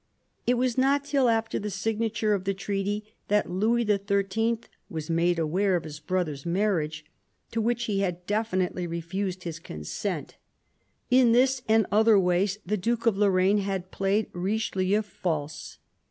It was not till after the signature of the treaty that Louis XIII. was made aware of his brother's marriage, to which he had definitely refused his consent. In this and other ways the Duke of Lorraine had played Richelieu false.